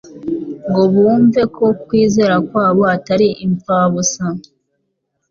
ngo bumve ko kwizera kwabo atari imfabusa.